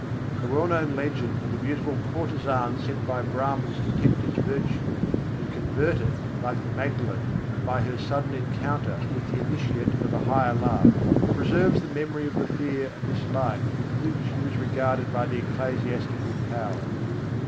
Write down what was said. The well known legend of the beautiful courtesan sent by Brâhmans to tempt his virtue, and converted, like the Magdalen, by her sudden encounter with the initiate of a higher love, pre serves the memory of the fear and dislike with which he was regarded by the ecclesiastical powers.